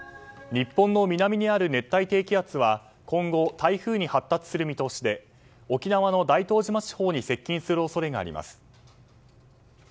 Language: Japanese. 日本の南にある熱帯低気圧は今後、台風に発達する見通しで沖縄の大東島地方に接近する恐れがあります。